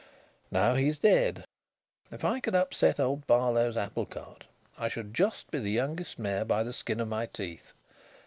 Now he's dead. If I could upset old Barlow's apple cart I should just be the youngest mayor by the skin of my teeth.